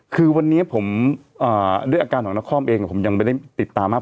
คือวันนี้ผมด้วยอาการของนครเองผมยังไม่ได้ติดตามมาก